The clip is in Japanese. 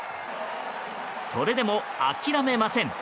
それでも諦めません。